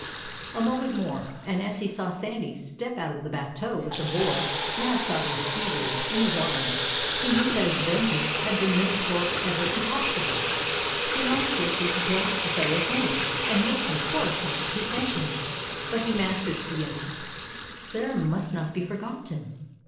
A moment more, and as he saw Sandy step out of the "bateau" with the boy, now sobbing feebly, in his arms he knew that his vengeance had been made for ever impossible. He longed fiercely to grasp the fellow's hand, and make some poor attempt to thank him. But he mastered the impulse Sarah must not be forgotten.